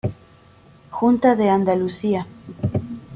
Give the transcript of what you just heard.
Junta de Andalucía.